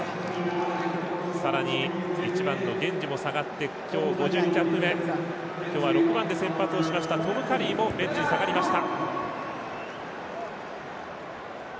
さらに１番のゲンジも下がって今日５０キャップ目６番で先発しましたトム・カリーもベンチに下がりました。